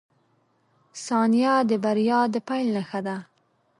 • ثانیه د بریا د پیل نښه ده.